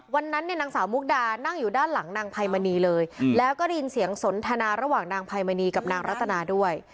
วันนั้นเนี่ยนางสาวมุกดานั่งอยู่ด้านหลังนางไพมณีเลยแล้วก็ได้ยินเสียงสนทนาระหว่างนางไพมณีกับนางรัตนาด้วย